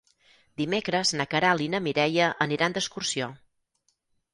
Dimecres na Queralt i na Mireia aniran d'excursió.